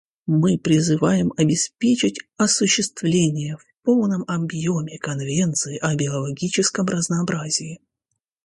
Мы призываем обеспечить осуществление в полном объеме Конвенции о биологическом разнообразии.